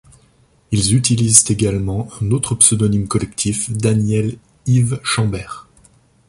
Ils utilisent également un autre pseudonyme collectif Daniel Yves Chanbert.